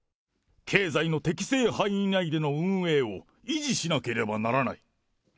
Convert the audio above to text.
経済の適正範囲内での運営を維持しなければならない。